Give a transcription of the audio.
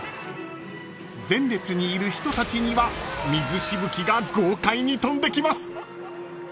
［前列にいる人たちには水しぶきが豪快に飛んできます］